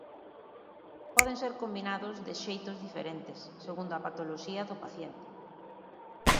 Poden ser combinados de xeitos diferentes, segundo a patoloxía do paciente.